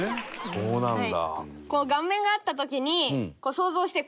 そうなんだ。